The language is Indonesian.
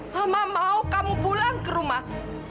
hama mau kamu pulang ke rumah